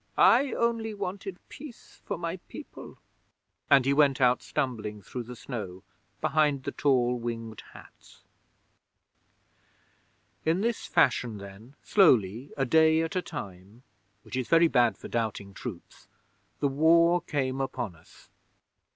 "I only wanted peace for my people," and he went out stumbling through the snow behind the tall Winged Hats. 'In this fashion then, slowly, a day at a time, which is very bad for doubting troops, the War came upon us.